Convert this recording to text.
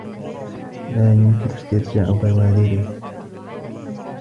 لَا يُمْكِنُ اسْتِرْجَاعُ بَوَادِرِهِ